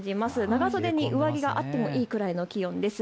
長袖に上着があってもいいくらいの気温です。